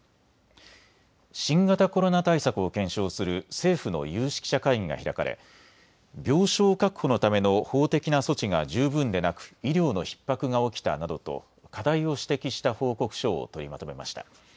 新型コロナ対策を検証する政府の有識者会議が開かれ病床確保のための法的な措置が十分でなく医療のひっ迫が起きたなどと課題を指摘した報告書を取りまとめました。